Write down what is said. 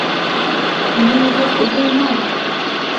Уны юғалтып булмай!